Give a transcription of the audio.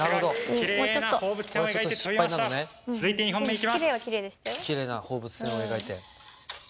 きれいな放物線を描いて。